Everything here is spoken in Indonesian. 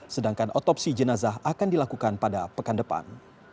sedangkan otopsi jenazah akan dilakukan pada pekan depan